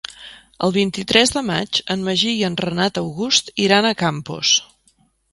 El vint-i-tres de maig en Magí i en Renat August iran a Campos.